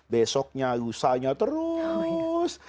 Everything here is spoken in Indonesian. besoknya lusanya terus